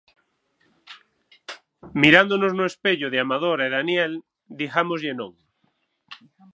Mirándonos no espello de Amador e Daniel, digámoslles non.